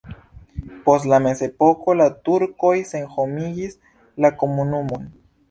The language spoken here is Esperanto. Post la mezepoko la turkoj senhomigis la komunumon.